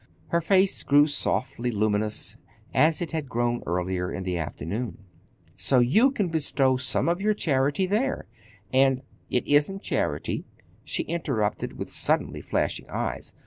Her face grew softly luminous as it had grown earlier in the afternoon. "So you can bestow some of your charity there; and—" "It isn't charity," she interrupted with suddenly flashing eyes.